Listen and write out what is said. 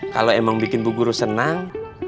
kalau emang bikin bu guru senang